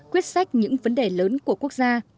quyết sách những vấn đề lớn của quốc gia